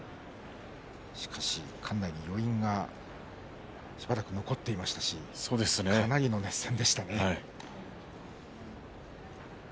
しかし館内に余韻がしばらく残っていましたしかなりの熱戦でしたね。